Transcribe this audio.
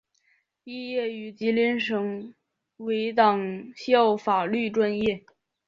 毕业于吉林省委党校法律专业。